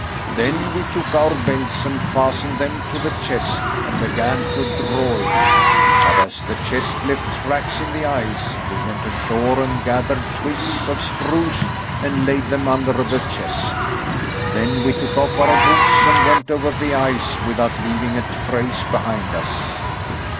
"Then we took our belts and fastened them to the chest and began to draw it. But as the chest left tracks in the ice, we went ashore and gathered twigs of spruce and laid them under the chest. Then we took off our boots and went over the ice without leaving a trace behind us."